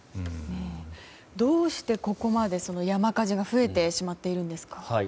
どうしてここまで山火事が増えてしまっているんですか。